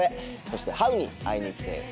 そしてハウに会いに来てください。